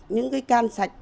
những cái can sạch